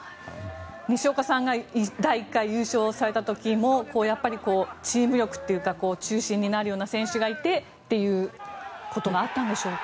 西岡さんが第１回優勝された時もチーム力というか中心になるような選手がいてということがあったんでしょうか。